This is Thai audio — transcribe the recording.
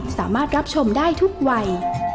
สามารถรับชมได้ทุกวัย